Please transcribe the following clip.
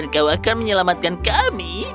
kau akan menyelamatkan kami